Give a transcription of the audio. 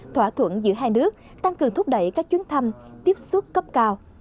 thỏa thuận giữa hai nước tăng cường thúc đẩy các chuyến thăm tiếp xúc cấp cao